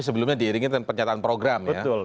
sebelumnya diiringin dengan pernyataan program ya betul